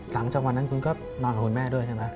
หลังจากนั้นคุณก็นอนกับคุณแม่ด้วยใช่ไหม